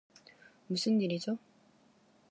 무슨 일이죠?